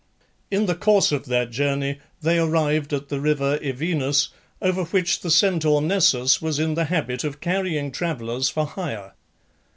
In the course of their journey they arrived at the river Evenus, over which the Centaur Nessus was in the habit of carrying travellers for hire.